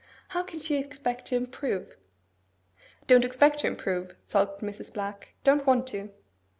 How can she expect to improve?' 'Don't expect to improve,' sulked Mrs. Black. 'Don't want to.